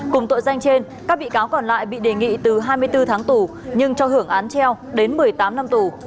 cùng tội danh trên các bị cáo còn lại bị đề nghị từ hai mươi bốn tháng tù nhưng cho hưởng án treo đến một mươi tám năm tù